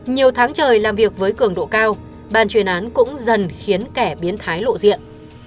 nhiều tháng trời làm việc với cường độ cao ban chuyên án cũng dần khiến kẻ biến thái lộ diện